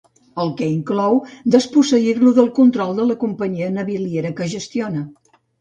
El que inclou desposseir-lo del control de la companyia naviliera que gestiona.